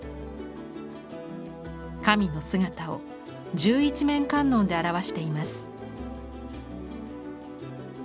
神の姿を十一面観音で表しています。